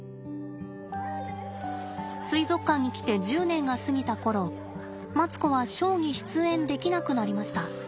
水族館に来て１０年が過ぎた頃マツコはショーに出演できなくなりました。